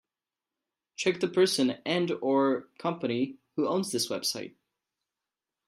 Check the person and/or company who owns this website.